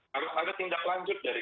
harus ada tindak lanjut dari